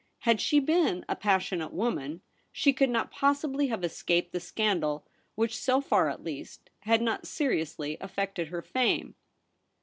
Had she been a passionate woman, she could not possibly have escaped the scandal which, so far at least, had not seriously affected her fame.